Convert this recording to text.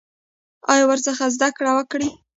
او ورڅخه زده کړه وکړي.